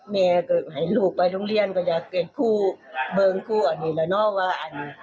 แม่ก็ให้ลูกไปโรงเรียนก็อยากเป็นผู้เบิงกลัวนี่แหละเนาะว่า